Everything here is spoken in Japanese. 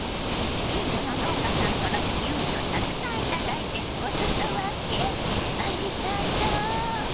近所の農家さんからきゅうりをたくさん頂いておすそ分け⁉ありがとう。